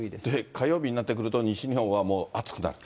火曜日になってくると、西日本はもう暑くなる。